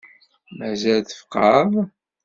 Mazal tfeqεeḍ?